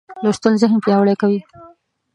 لوستل ذهن پیاوړی کوي.